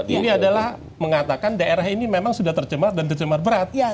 ini adalah mengatakan daerah ini memang sudah tercemar dan tercemar berat